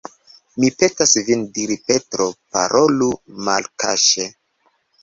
Mi petas vin diris Petro, parolu malkaŝe.